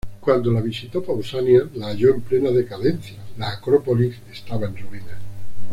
Cuando la visitó Pausanias la halló en plena decadencia; la acrópolis estaba en ruinas.